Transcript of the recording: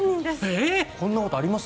こんなことあります？